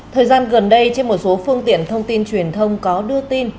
thời gian gần đây trên một số phương tiện thông tin truyền thông có đưa tin